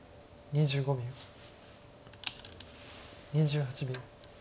２８秒。